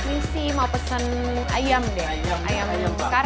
ini sih mau pesen ayam deh ayam kare